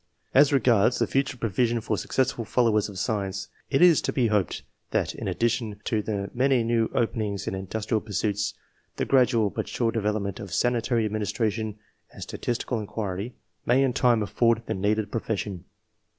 As regards the future provision s 2 260 ENGLISH MEN OF SCIENCE [chap. iv. for successful followers of science, it is to be hoped that, in addition to the many new open ings in industrial pursuits, the gradual but sure development of sanitary administration and sta tistical inquiry may in time afford the needed profession.